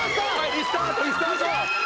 リスタートリスタート！